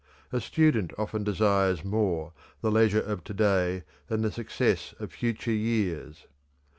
A student often desires more the leisure of to day than the success of future years.